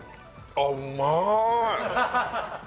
あっうまい！